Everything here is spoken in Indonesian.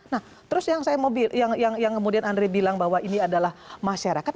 nah terus yang kemudian andre bilang bahwa ini adalah masyarakat